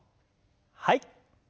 はい。